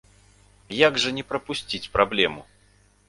Як жа не прапусціць праблему?